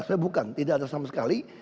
sebenarnya bukan tidak ada sama sekali